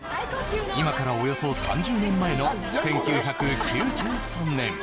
今からおよそ３０年前の１９９３年。